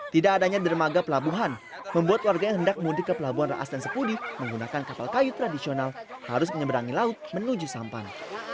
tidak adanya dermaga pelabuhan membuat warga yang hendak mudik ke pelabuhan raas dan sepudi menggunakan kapal kayu tradisional harus menyeberangi laut menuju sampan